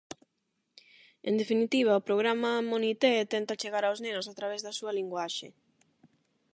En definitiva, o programa Monité tenta chegar aos nenos a través da súa linguaxe.